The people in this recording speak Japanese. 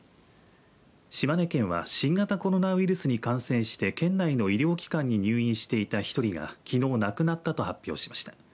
島根県は新型コロナウイルスに感染して県内の医療機関に入院していた１人がきのう亡くなったと発表しました。